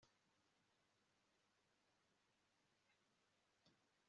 Umuziki namayobera yinyanja